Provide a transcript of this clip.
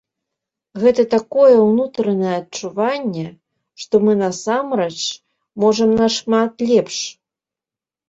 Гэта такое ўнутранае адчуванне, што мы насамрэч можам нашмат лепш.